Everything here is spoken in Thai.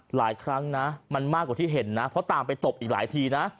หลายครั้งนะมันมากกว่าที่เห็นนะเพราะตามไปตบอีกหลายทีนะ